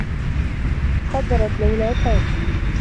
خدّرت ليلى سامي.